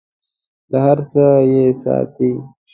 له هر څه یې ساتي .